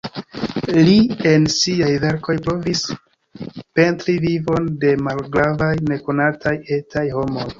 Li en siaj verkoj provis pentri vivon de malgravaj nekonataj "etaj" homoj.